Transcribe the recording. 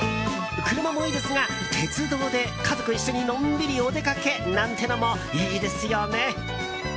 車もいいですが、鉄道で家族一緒にのんびりお出かけなんてのもいいですよね。